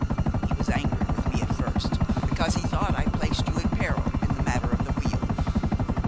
He was angry with me at first, because he thought I placed you in peril in the matter of the wheel."